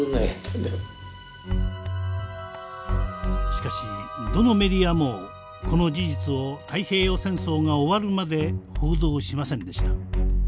しかしどのメディアもこの事実を太平洋戦争が終わるまで報道しませんでした。